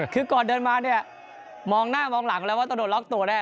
คือก่อนเดินมาเนี่ยมองหน้ามองหลังแล้วว่าต้องโดนล็อกตัวแน่